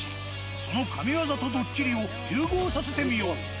その神業とドッキリを融合させてみよう。